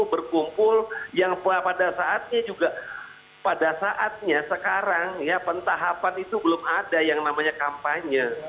berkumpul yang pada saatnya juga pada saatnya sekarang ya pentahapan itu belum ada yang namanya kampanye